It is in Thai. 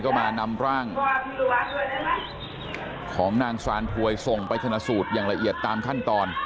ก็มานำร่างของนางซานถวยส่งไปชนะสูตรอย่างละเอียดตามขั้นตอน